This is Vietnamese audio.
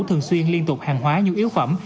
thường xuyên liên tục hàng hóa nhu yếu phẩm